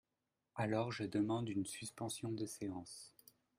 Alors je demande une suspension de séance